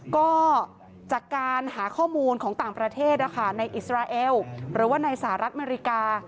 ก็จากการหาข้อมูลของต่างประเทศในอิสราเอลหรือว่าในสหรัฐอเมริกา